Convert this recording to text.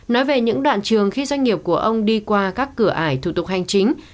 nói về những đoạn trường khi doanh nghiệp của ông đi qua các cửa ải thủ tục hành chính